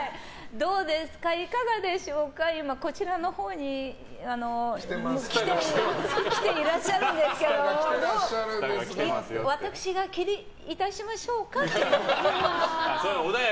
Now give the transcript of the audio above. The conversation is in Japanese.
どうですか、いかがでしょうか今、こちらのほうに来ていらっしゃるんですけど私がお切りいたしましょうか？